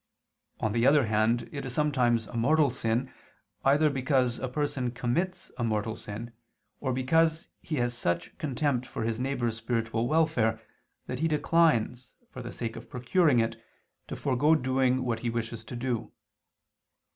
On the other hand, it is sometimes a mortal sin, either because a person commits a mortal sin, or because he has such contempt for his neighbor's spiritual welfare that he declines, for the sake of procuring it, to forego doing what he wishes to do.